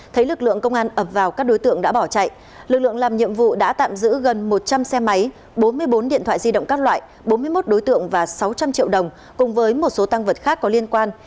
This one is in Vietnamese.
thấy lực lượng công an ập vào các đối tượng đã bỏ chạy lực lượng làm nhiệm vụ đã tạm giữ gần một trăm linh xe máy bốn mươi bốn điện thoại di động các loại bốn mươi một đối tượng và sáu trăm linh triệu đồng cùng với một số tăng vật khác có liên quan